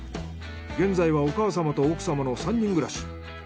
現在はお母様と奥様の３人暮らし。